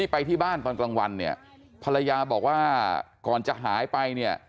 ไปที่บ้านก่อนกลางวันภรรยาบอกว่าก่อนจะหายไป